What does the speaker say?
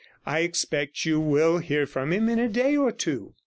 I expect you will hear from him in a day or two.'